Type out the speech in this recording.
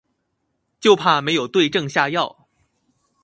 就怕沒有對症下藥